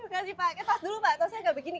kasih pak eh tas dulu pak tasnya enggak begini